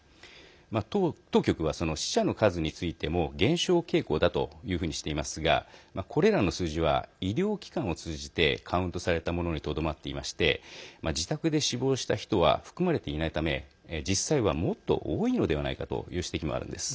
当局は死者の数についても減少傾向だというふうにしていますがこれらの数字は医療機関を通じてカウントされたものにとどまっていまして自宅で死亡した人は含まれていないため実際はもっと多いのではないかという指摘もあるんです。